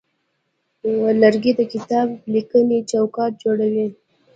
لرګی د کتابلیکنې چوکاټ جوړوي.